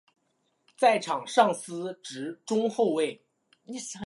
在场上司职中后卫。